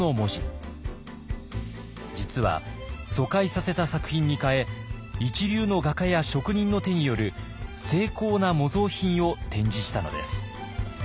実は疎開させた作品に代え一流の画家や職人の手による精巧な模造品を展示したのです。